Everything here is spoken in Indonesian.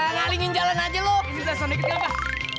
ngaringin jalan aja loh